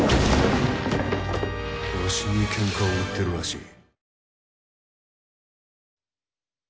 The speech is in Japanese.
わしにけんかを売ってるらしい。